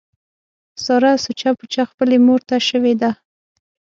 ساره سوچه پوچه خپلې مورته شوې ده.